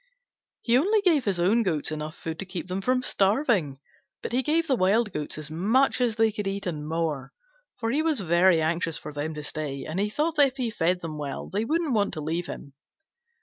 He only gave his own goats enough food to keep them from starving, but he gave the Wild Goats as much as they could eat and more; for he was very anxious for them to stay, and he thought that if he fed them well they wouldn't want to leave him.